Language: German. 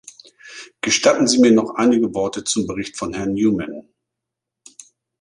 Gestatten Sie mir noch einige Worte zum Bericht von Herrn Newman.